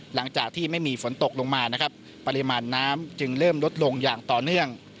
หลังจากที่ไม่มีฝนตกลงมานะครับปริมาณน้ำจึงเริ่มลดลงอย่างต่อเนื่อง